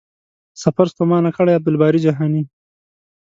سفر ستومانه کړی.عبدالباري جهاني